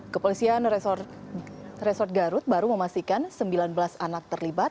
kepolisian resort garut baru memastikan sembilan belas anak terlibat